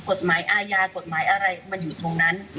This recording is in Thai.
กฎหมายอาญากฎหมายอะไรมันอยู่ตรงนั้น